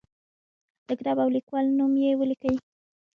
د کتاب او لیکوال نوم یې ولیکئ.